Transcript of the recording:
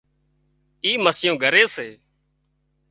اين ٿي مسيون ڳري سي